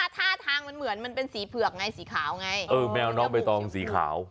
ท่าทางมันเหมือนมันเป็นสีเผือกไงสีขาวไงเออแมวน้องใบตองสีขาว